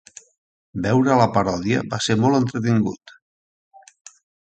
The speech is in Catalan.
Veure la parodia va ser molt entretingut.